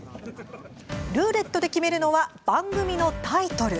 ルーレットで決めるのは番組のタイトル。